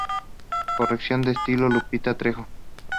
Corrección de estilo: Lupita Trejo.